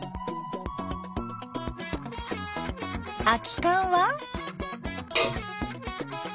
空きかんは？